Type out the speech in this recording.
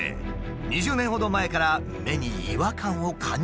２０年ほど前から目に違和感を感じ始めたという。